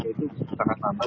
jadi itu memang sangat sulit